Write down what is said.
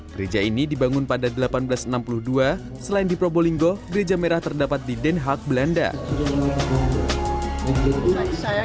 gereja ini dibangun pada seribu delapan ratus enam puluh dua selain di probolinggo gereja merah terdapat di den haag belanda saya